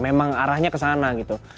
memang arahnya ke sana gitu